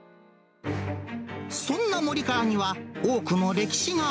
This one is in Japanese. そんなもり川には、多くの歴史が